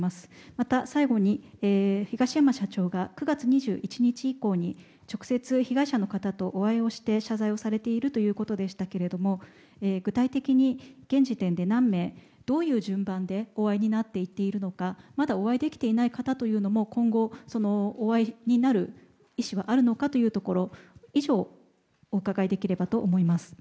また、最後に東山社長が９月２１日以降に直接、被害者の方とお会いをして謝罪をされているということでしたけれども具体的に現時点で何名どういう順番でお会いになっていっているのかまだお会いできていない方というのも今後、お会いになる意思はあるのかというところお伺いできればと思います。